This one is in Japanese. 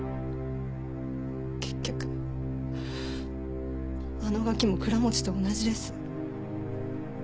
結局あのガキも倉持と同じです。